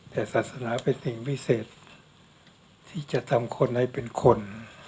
แต่ศาสนาเป็นสิ่งพิเศษที่จะทำคนให้เป็นคน